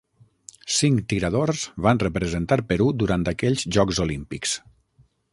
Cinc tiradors van representar Perú durant aquells Jocs Olímpics.